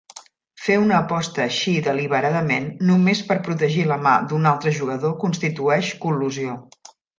Fer una aposta així deliberadament només per protegir la mà d'un altre jugador constitueix col·lusió.